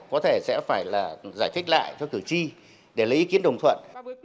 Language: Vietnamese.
có thể sẽ phải là giải thích lại cho cử tri để lấy ý kiến đồng thuận